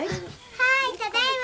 はいただいま。